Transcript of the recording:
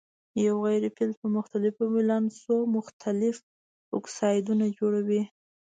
یو غیر فلز په مختلفو ولانسو مختلف اکسایدونه جوړوي.